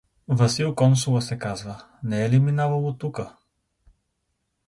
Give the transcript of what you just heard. Васил Консула се казва, не е ли минавал оттука?